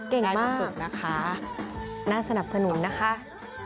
เก่งมากได้มาฝึกนะคะน่าสนับสนุนนะคะ